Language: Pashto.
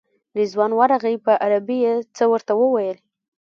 رضوان ورغی په عربي یې څه ورته وویل.